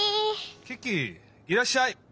キキいらっしゃい。